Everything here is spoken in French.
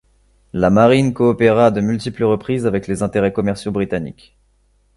La marine coopéra à de multiples reprises avec les intérêts commerciaux britanniques.